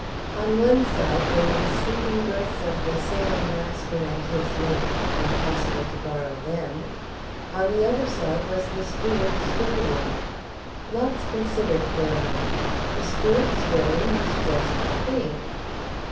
On one side there were the sleeping berths of the sailing master and his mate (impossible to borrow them). On the other side was the steward's store room. Launce considered for a moment. The steward's store room was just the thing!